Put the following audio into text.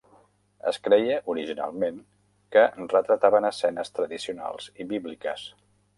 Es creia originalment que retrataven escenes tradicionals i bíbliques.